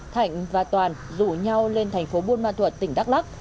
thạnh và toàn rủ nhau lên thành phố buôn ma thuật tỉnh đắk lắc